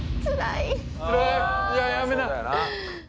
いややめな。